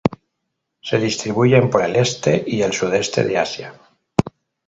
Se distribuyen por el este y el sudeste de Asia.